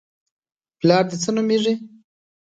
_پلار دې څه نومېږي؟